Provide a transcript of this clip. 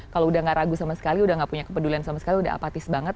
kalau udah gak ragu sama sekali udah gak punya kepedulian sama sekali udah apatis banget